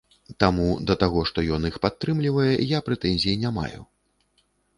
Таму да таго, што ён іх падтрымлівае, я прэтэнзій не маю.